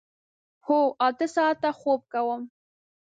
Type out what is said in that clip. هو، اته ساعته خوب کوم